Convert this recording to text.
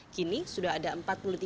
kini sudah ada empat puluh tiga